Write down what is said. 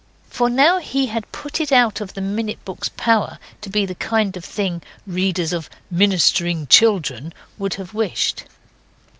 For now he had put it out of the minute book's power to be the kind of thing readers of Ministering Children would have wished.